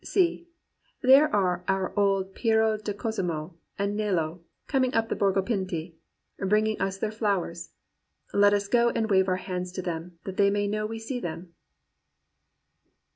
See, there are our old Piero di Cosimo and Nello coming up the Borgo Pinti, bringing us their flowers. Let us go and wave our hands to them, that they may know we see them.'